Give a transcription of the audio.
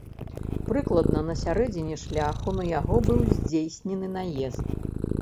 Прыкладна на сярэдзіне шляху на яго быў здзейснены наезд.